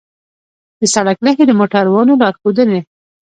د سړک نښې د موټروانو لارښودوي.